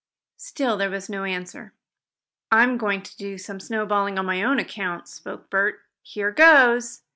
Still there was no answer. "I'm going to do some snowballing on my own account," spoke Bert. "Here goes!"